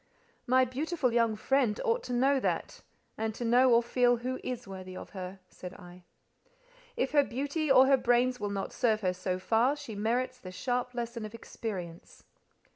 "My 'beautiful young friend' ought to know that, and to know or feel who is worthy of her," said I. "If her beauty or her brains will not serve her so far, she merits the sharp lesson of experience."